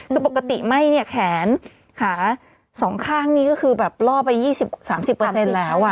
ก็ปกติไหม้เนี่ยแขนขาสองข้างนี้ก็คือแบบล่อไป๒๐๓๐เปอร์เซ็นต์แล้ว